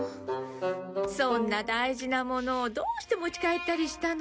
そんな大事なものどうして持ち帰ったりしたの。